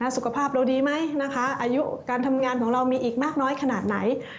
สุขภาพเราดีไหมนะคะอายุการทำงานของเรามีอีกมากน้อยขนาดไหน